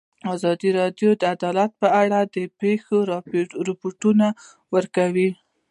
ازادي راډیو د عدالت په اړه د پېښو رپوټونه ورکړي.